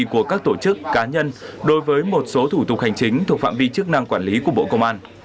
của các tổ chức cá nhân đối với một số thủ tục hành chính thuộc phạm vi chức năng quản lý của bộ công an